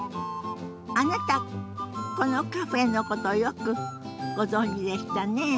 あなたこのカフェのことよくご存じでしたね。